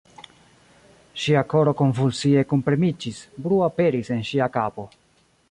Ŝia koro konvulsie kunpremiĝis, bruo aperis en ŝia kapo.